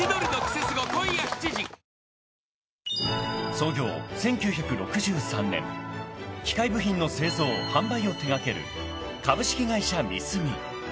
［創業１９６３年機械部品の製造・販売を手掛ける株式会社ＭＩＳＵＭＩ］